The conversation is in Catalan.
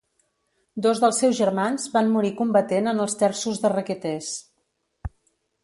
Dos dels seus germans van morir combatent en els Terços de Requetés.